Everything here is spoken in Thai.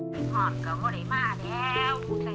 จินทอดกับวันไหร่มาแล้ว